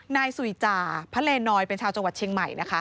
นายสุยจ่าพระเลนอยเป็นชาวจังหวัดเชียงใหม่นะคะ